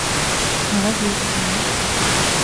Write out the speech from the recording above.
Но разве это поможет?